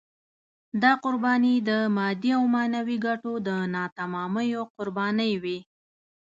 دا قربانۍ د مادي او معنوي ګټو د ناتمامیو قربانۍ وې.